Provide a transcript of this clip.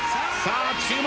注目！